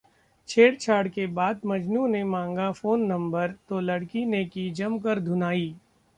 छेड़छाड़ के बाद मजनूं ने मांगा फोन नंबर, तो लड़की ने की जमकर धुनाई